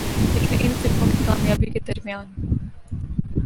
لیکن ان فلموں کی کامیابی کے درمیان